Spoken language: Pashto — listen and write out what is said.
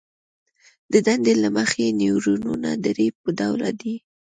د دندې له مخې نیورونونه درې ډوله دي.